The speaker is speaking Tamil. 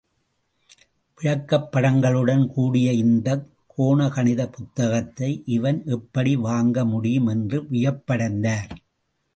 விளக்கப் படங்களுடன் கூடிய இந்தக், கோண கணிதப் புத்தகத்தை இவன் எப்படி வாங்க முடியும் என்று வியப்படைந்தார்.